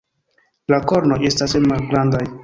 La kornoj estas tre malgrandaj.